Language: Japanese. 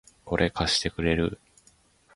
これ、貸してくれる？